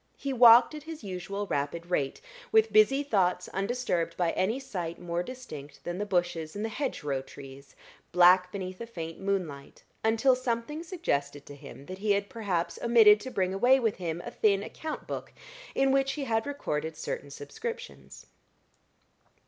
He walked at his usual rapid rate, with busy thoughts undisturbed by any sight more distinct than the bushes and the hedgerow trees, black beneath a faint moonlight, until something suggested to him that he had perhaps omitted to bring away with him a thin account book in which he recorded certain subscriptions.